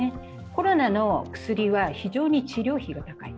コロナの薬は非常に治療費が高い。